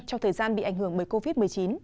trong thời gian bị ảnh hưởng bởi covid một mươi chín